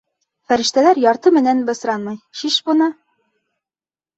— Фәрештәләр ярты менән бысранмай, шиш бына!